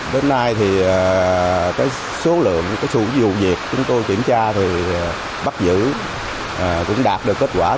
đến nay số dụ việc chúng tôi kiểm tra bắt giữ cũng đạt được kết quả